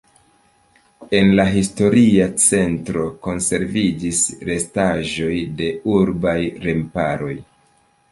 En la historia centro konserviĝis restaĵoj de urbaj remparoj.